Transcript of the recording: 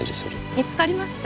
見つかりました？